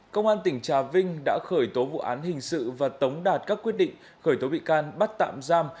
công an tỉnh trà vinh đã khởi tố vụ án hình sự và tống đạt các quyết định khởi tố bị can bắt tạm giam